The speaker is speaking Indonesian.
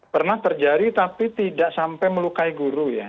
pernah terjadi tapi tidak sampai melukai guru ya